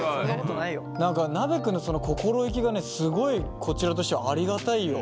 なべくんのその心意気がねすごいこちらとしてはありがたいよ。